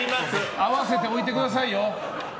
合わせて、置いてくださいよ。